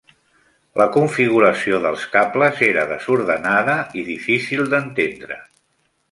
La configuració dels cables era desordenada i difícil d'entendre.